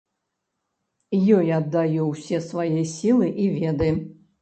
Ёй аддаю ўсе свае сілы і веды.